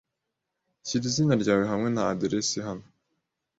Shyira izina ryawe hamwe na aderesi hano.